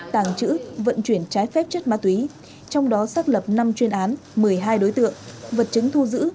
tàng trữ vận chuyển trái phép chất ma túy trong đó xác lập năm chuyên án một mươi hai đối tượng vật chứng thu giữ